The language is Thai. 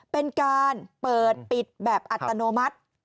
เป็นการเปิดปิดแบบอัตโนมัติ